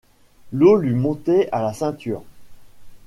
L’eau lui montait à la ceinture.